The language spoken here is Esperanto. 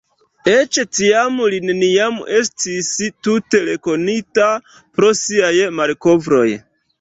Eĉ tiam li neniam estis tute rekonita pro siaj malkovroj.